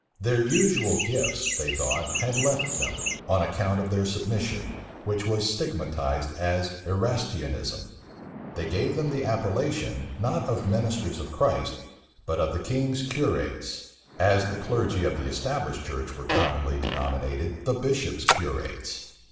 Their usual gifts, they thought, had left them, on account of their submission, which was stigmatized as Erastianism. They gave them the appellation, not of ministers of Christ, but of the king's curates, as the clergy of the established church were commonly denominated the bishop's curates.